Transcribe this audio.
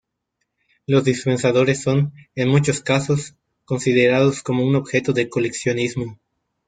Los dispensadores son, en muchos casos, considerados como un objeto de coleccionismo.